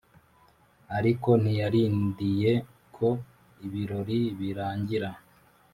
ariko ntiyarindiye ko ibirori birangira